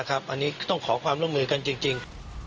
อันนี้ต้องขอความร่วมมือกันจริง